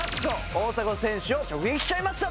大迫選手を直撃しちゃいました。